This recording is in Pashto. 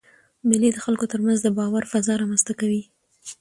مېلې د خلکو تر منځ د باور فضا رامنځ ته کوي.